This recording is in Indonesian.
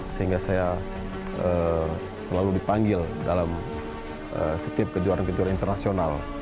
sehingga saya selalu dipanggil dalam setiap kejuaraan kejuaraan internasional